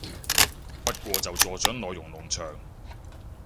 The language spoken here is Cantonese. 不過就助長內容農場